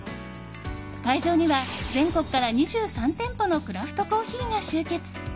会場には全国から２３店舗のクラフトコーヒーが集結。